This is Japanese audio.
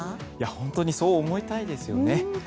本当にそう思いたいですよね。